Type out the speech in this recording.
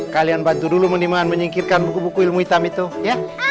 kalian bantu dulu mendingan menyingkirkan buku buku ilmu hitam itu ya